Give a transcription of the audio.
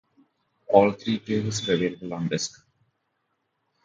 All three Tales are available on disc.